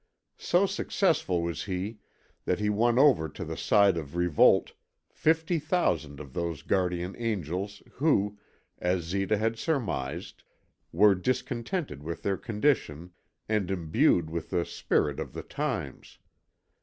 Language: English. So successful was he that he won over to the side of revolt fifty thousand of those guardian angels who, as Zita had surmised, were discontented with their condition and imbued with the spirit of the times.